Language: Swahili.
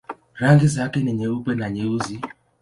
Rangi zake ni nyeupe na nyeusi.